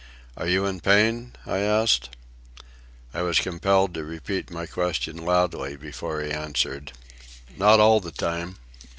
"Are you in pain?" I asked. I was compelled to repeat my question loudly before he answered: "Not all the time."